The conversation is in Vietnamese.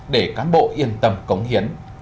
để cán bộ yên tâm cống hiến